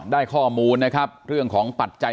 ได้ข้อมูลนะครับเรื่องของปัจจัย